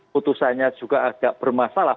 putusannya juga agak bermasalah